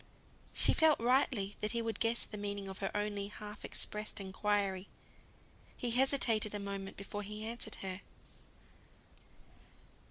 She felt rightly that he would guess the meaning of her only half expressed inquiry. He hesitated a moment before he answered her.